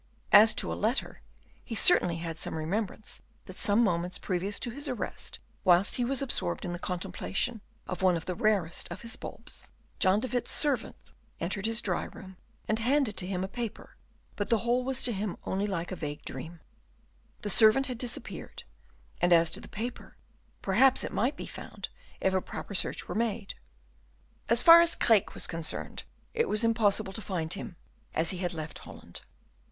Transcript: As to a letter, he certainly had some remembrance that some moments previous to his arrest, whilst he was absorbed in the contemplation of one of the rarest of his bulbs, John de Witt's servant entered his dry room, and handed to him a paper, but the whole was to him only like a vague dream; the servant had disappeared, and as to the paper, perhaps it might be found if a proper search were made. As far as Craeke was concerned, it was impossible to find him, as he had left Holland.